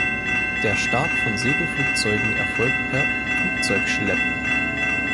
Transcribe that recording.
Der Start von Segelflugzeugen erfolgt per Flugzeugschlepp.